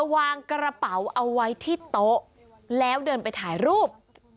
วางกระเป๋าเอาไว้ที่โต๊ะแล้วเดินไปถ่ายรูป